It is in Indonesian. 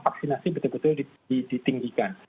vaksinasi betul betul ditinggikan